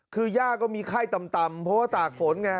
คือย่าก็มีไข้ต่ำเพราะว่าตากฝนไง